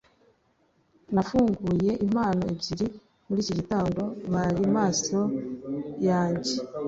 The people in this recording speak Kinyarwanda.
nafunguye impano ebyiri muri iki gitondo. bari amaso yanjye